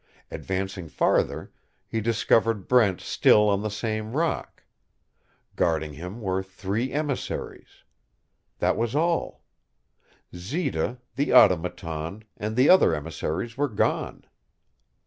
Advancing farther, he discovered Brent still on the same rock. Guarding him were three emissaries. That was all. Zita, the Automaton, and the other emissaries were gone.